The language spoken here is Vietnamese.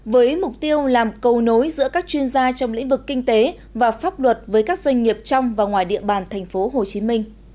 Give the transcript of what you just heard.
với mục tiêu làm cầu nối giữa các chuyên gia trong lĩnh vực kinh tế và pháp luật với các doanh nghiệp trong và ngoài địa bàn tp hcm